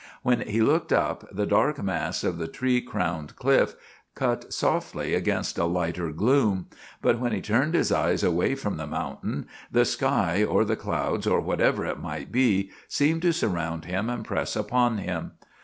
When he looked up the dark mass of the tree crowned cliff cut softly against a lighter gloom; but when he turned his eyes away from the mountain, the sky or the clouds, or whatever it might be, seemed to surround him and press upon him.